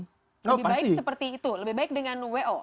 lebih baik seperti itu lebih baik dengan wo